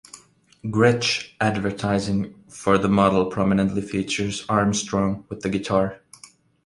Gretsch advertising for the model prominently features Armstrong with the guitar.